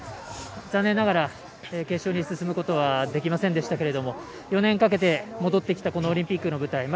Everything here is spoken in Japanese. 残念ながら決勝に進むことはできませんでしたが４年かけて戻ってきたオリンピックの舞台